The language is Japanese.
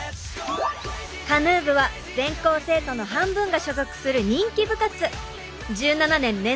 カヌー部は全校生徒の半分が所属する人気部活。